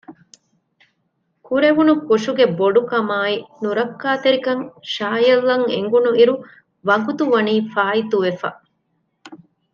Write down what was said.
ކުރެވުނު ކުށުގެ ބޮޑުކަމާއި ނުރައްކާތެރިކަން ޝާޔަލްއަށް އެނގުނުއިރު ވަގުތުވަނީ ފާއިތުވެފަ